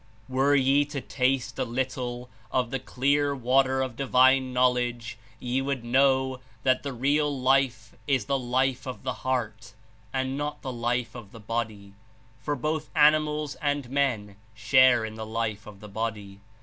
"Were ye to taste a little of the clear water of Divine Knowledge, ye would know that the real life is the life of the heart and not the life of the body, for both animals and men share in the life of body.